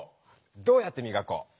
どうやってみがこう？